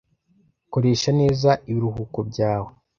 Koresha neza ibiruhuko byawe.